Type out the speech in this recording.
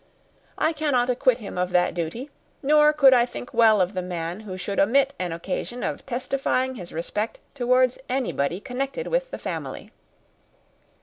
I cannot acquit him of that duty; nor could I think well of the man who should omit an occasion of testifying his respect towards anybody connected with the family."